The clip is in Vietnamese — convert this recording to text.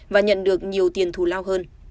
và nhận được nhiều tiền thù lao hơn